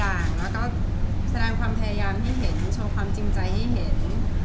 ต่างแล้วก็แสดงความพยายามให้เห็นโชว์ความจริงใจให้เห็น